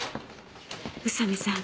宇佐見さん